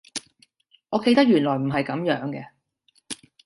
我記得原來唔係噉樣嘅